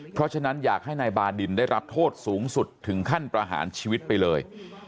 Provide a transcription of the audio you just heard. เพราะฉะนั้นอยากให้นายบาดินได้รับโทษสูงสุดถึงขั้นประหารชีวิตไปเลย